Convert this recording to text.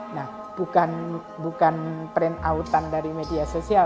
nah bukan print out an dari media sosial